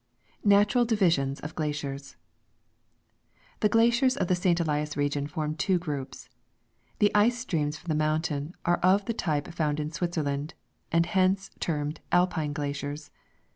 Natural Divisions of Glaciers. The glaciers of the St. Ehas region form two groups. The ice streams from the mountain are of the type found in Switzer land, and hence termed Alpine glaciers.